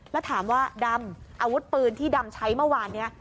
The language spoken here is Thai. แล้วถามว่าดำอาวุธปืนที่ดำใช้เมื่อวานนี้